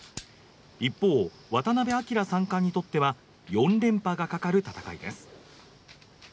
一方、渡辺明三冠にとっては４連覇がかかる戦いです。